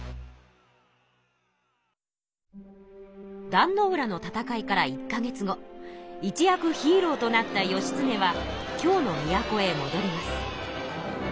壇ノ浦の戦いから１か月後一躍ヒーローとなった義経は京の都へもどります。